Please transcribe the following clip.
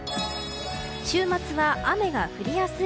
週末は雨が降りやすい。